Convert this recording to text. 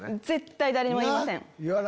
絶対誰にも言いません。